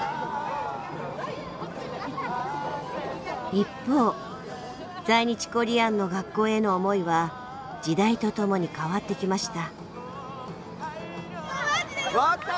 一方在日コリアンの学校への思いは時代とともに変わってきました。